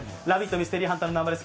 ミステリーハンターの南波です。